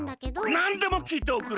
なんでもきいておくれ。